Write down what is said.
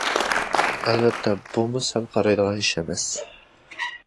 ئەلۋەتتە بۇمۇ سەل قارايدىغان ئىش ئەمەس.